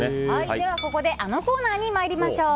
では、ここであのコーナーに行きましょう。